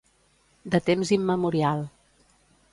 De temps immemorial.